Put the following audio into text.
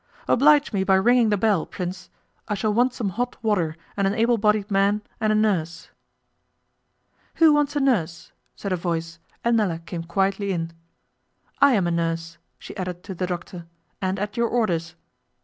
'Oblige me by ringing the bell, Prince. I shall want some hot water, and an able bodied man and a nurse.' 'Who wants a nurse?' said a voice, and Nella came quietly in. 'I am a nurse,' she added to the doctor, 'and at your orders.